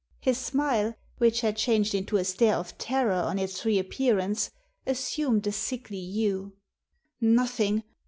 His smile, which had changed into a stare of terror on its reappearance, assumed a sickly hue. " Nothing.